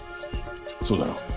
そうだな。